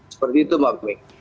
seperti itu mbak